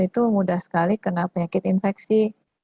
itu mudah sekali kena penyakit infeksi